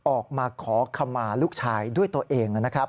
ออกมาขอขมาลูกชายด้วยตัวเองนะครับ